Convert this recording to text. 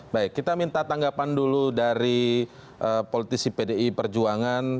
baik kita minta tanggapan dulu dari politisi pdi perjuangan